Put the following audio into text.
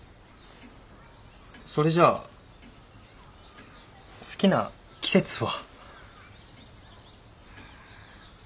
それじゃあ好きな季節は？